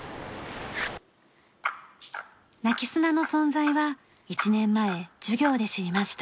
鳴き砂の存在は１年前授業で知りました。